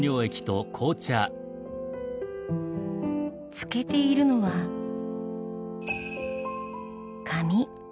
つけているのは紙。